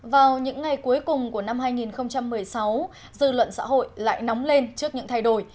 vào những ngày cuối cùng của năm hai nghìn một mươi sáu dư luận xã hội lại nóng lên trước những thay đổi